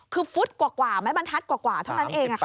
คือฟุตกว่าไม้บรรทัดกว่าเท่านั้นเอง